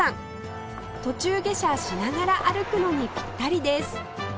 途中下車しながら歩くのにピッタリです